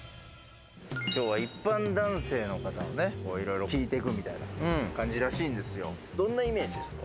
今日は一般男性の方をね、聞いていくみたいな感じらしいんですよ。